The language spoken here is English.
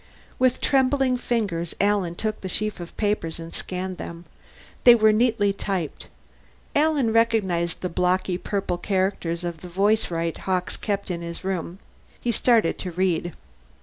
With trembling fingers Alan took the sheaf of papers and scanned them. They were neatly typed; Alan recognized the blocky purple characters of the voicewrite Hawkes kept in his room. He started to read.